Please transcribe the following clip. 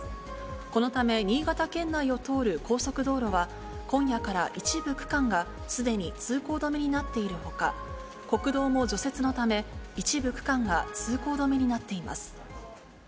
このため、新潟県内を通る高速道路は、今夜から一部区間がすでに通行止めになっているほか、国道も除雪のため、一部区間が通行止めになっています。